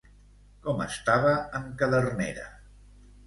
Com estava en Cadernera?